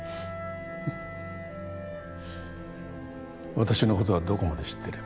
私のことはどこまで知ってる？